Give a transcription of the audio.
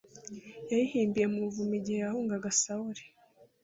yayihimbiye mu buvumo, igihe yahungaga sawuli